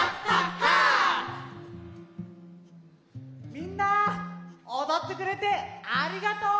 みんなおどってくれてありがとう！